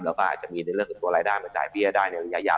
แล้วก็อาจจะมีในเรื่องของตัวรายได้มาจ่ายเบี้ยได้ในระยะยาว